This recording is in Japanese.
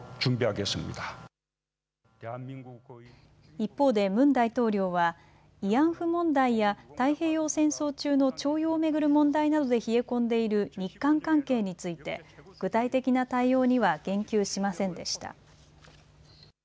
一方でムン大統領は慰安婦問題や太平洋戦争中の徴用を巡る問題などで冷え込んでいる日韓関係について具体的な対応には言及しませんでした。